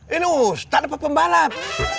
ini ustadz dapat pembalap